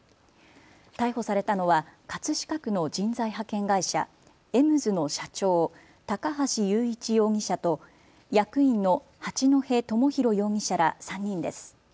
逮捕されたのは葛飾区の人材派遣会社、エムズの社長、高橋裕一容疑者と役員の八戸智博容疑者ら３人です。